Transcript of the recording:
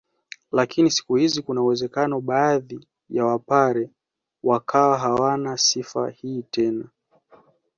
Lakini siku hizi kuna uwezekano baadhi ya wapare wakawa hawana sifa hii tena